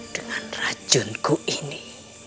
dengan rajunku ini